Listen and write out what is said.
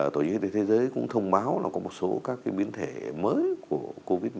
tổ chức thế giới cũng thông báo là có một số các cái biến thể mới của covid một mươi chín